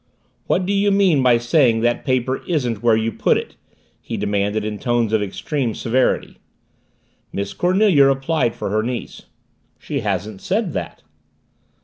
"What do you mean by saying that paper isn't where you put it?" he demanded in tones of extreme severity. Miss Cornelia replied for her niece. "She hasn't said that."